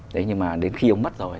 đấy nhưng mà đến khi ông mất rồi